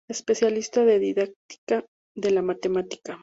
Especialista en Didáctica de la Matemática.